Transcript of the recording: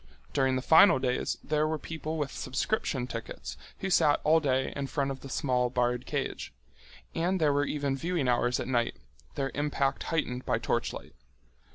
During the final days there were people with subscription tickets who sat all day in front of the small barred cage. And there were even viewing hours at night, their impact heightened by torchlight.